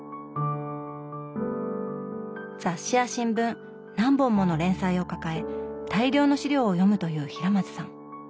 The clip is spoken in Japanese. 雑誌や新聞何本もの連載を抱え大量の資料を読むという平松さん。